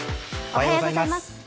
おはようございます。